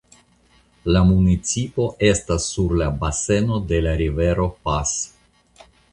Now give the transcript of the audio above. La municipo estas sur la baseno de la rivero Pas.